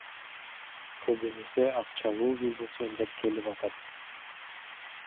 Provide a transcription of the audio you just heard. Көбүнесе акчалуу бизнесмендер келип атат.